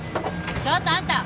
ちょっとあんた！